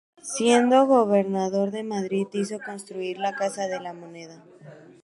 Siendo gobernador de Madrid hizo construir la Casa de la Moneda.